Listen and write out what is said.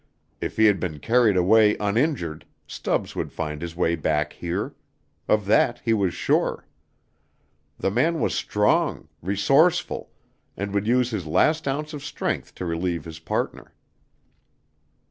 If he had been carried away uninjured, Stubbs would find his way back here. Of that he was sure. The man was strong, resourceful, and would use his last ounce of strength to relieve his partner.